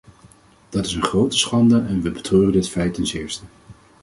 Dat is een grote schande en we betreuren dit feit ten zeerste.